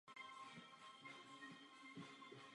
Jmenuje také hlavní představitele sociologie výchovy.